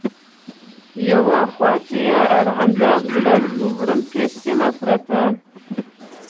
یوه خواته یې ارغنداب زړه وړونکې سیمه پرته.